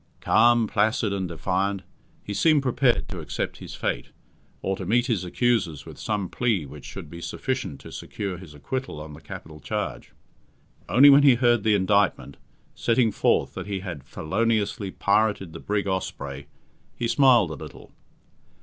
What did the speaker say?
Calm, placid, and defiant, he seemed prepared to accept his fate, or to meet his accusers with some plea which should be sufficient to secure his acquittal on the capital charge. Only when he heard the indictment, setting forth that he had "feloniously pirated the brig Osprey," he smiled a little.